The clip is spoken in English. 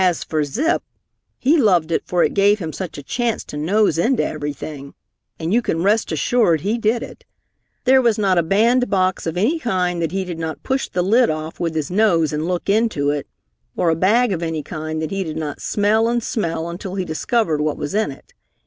As for Zip, he loved it for it gave him such a chance to nose into everything. And you can rest assured he did it. There was not a bandbox of any kind that he did not push the lid off with his nose and look into it, or a bag of any kind that he did not smell and smell until he discovered what was in it.